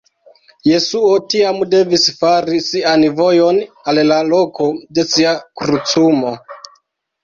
Jesuo tiam devis fari sian vojon al la loko de sia krucumo.